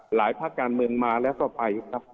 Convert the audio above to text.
ภาคการเมืองมาแล้วก็ไปครับ